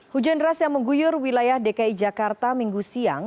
hujan deras yang mengguyur wilayah dki jakarta minggu siang